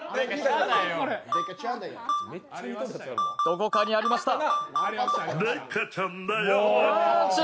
どこかにありました！